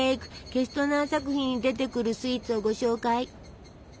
ケストナー作品に出てくるスイーツをご紹介。